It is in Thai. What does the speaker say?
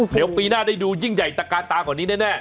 เดี๋ยวปีหน้าได้ดูยิ่งใหญ่ตะกานตากว่านี้แน่